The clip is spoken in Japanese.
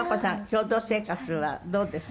共同生活はどうです？